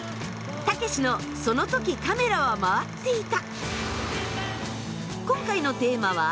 「たけしのその時カメラは回っていた」！